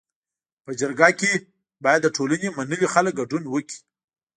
په جرګه کي باید د ټولني منلي خلک ګډون وکړي.